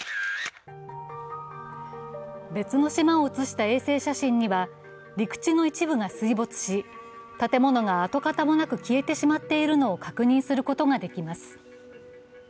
別の島を写した衛星写真には陸地の一部が水没し建物が跡形もなく消えてしまっているのを確認することができます。